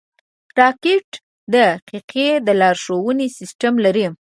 راکټ د دقیقې لارښونې سیسټم لري